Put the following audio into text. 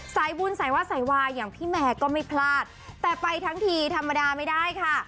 สายบุญสายวาสายวายอย่างพี่แมร์ก็ไม่พลาดแต่ไปทั้งทีธรรมดาไม่ได้ค่ะ